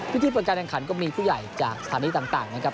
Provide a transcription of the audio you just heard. พิธีประการการก็มีผู้ใหญ่จากสถานีต่างนะครับ